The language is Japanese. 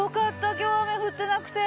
今日雨降ってなくて。